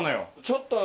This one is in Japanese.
ちょっと。